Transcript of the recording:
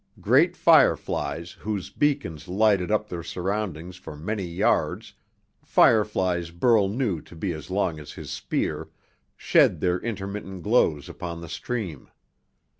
Great fireflies whose beacons lighted up their surroundings for many yards fireflies Burl knew to be as long as his spear shed their intermittent glows upon the stream.